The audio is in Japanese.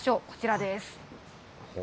こちらです。